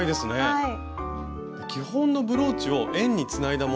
はい！